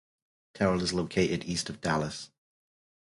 Terrell is located east of Dallas.